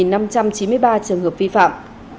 đã phát hiện một năm trăm chín mươi ba trường hợp vi phạm